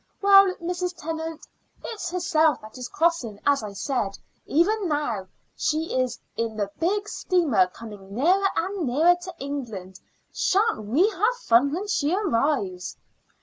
Well, Mrs. Tennant, it's herself that is crossing, as I said; even now she is in the big steamer, coming nearer and nearer to England. Shan't we have fun when she arrives?"